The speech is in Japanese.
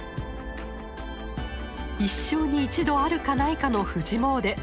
一生に一度あるかないかの富士詣で。